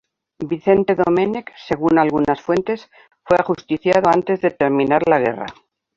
Vicente Domenech según algunas fuentes, fue ajusticiado antes de terminar la guerra.